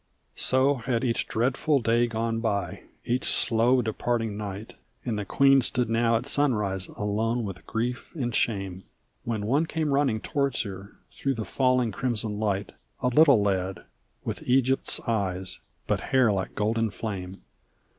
So had each dreadful day gone by, each slow departing night, And the queen stood now at sunset alone with grief and shame, When one came running towards her through the failing crimson light, A little lad, with Egypt's eyes but hair like golden flame.